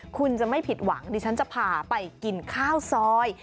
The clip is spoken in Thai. คุณจะไม่ผิดหวังดิฉันจะพาไปกินข้าวซอย